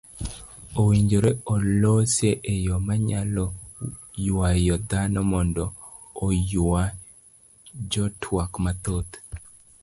owinjore olose eyo manyalo yuayo dhano mondo oyua jotwak mathoth.